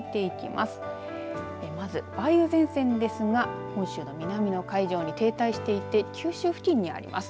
まず梅雨前線ですが本州南の海上に停滞しています。